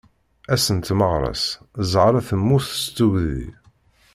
Ass n tmaɣra-s Zahra temmut seg tugdi.